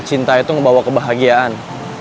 cinta itu ngebawa kebahagiaan